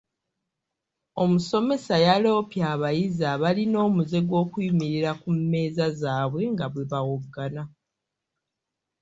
Omusomesa yaloopye abayizi abalina omuze gw'okuyimirira ku mmeeza zaabwe nga bwe bawoggana.